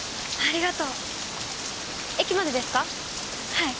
はい。